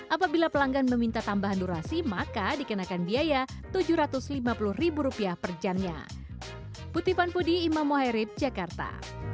apabila pelanggan meminta tambahan durasi maka dikenakan biaya rp tujuh ratus lima puluh per jamnya